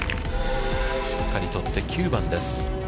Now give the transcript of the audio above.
しっかり取って９番です。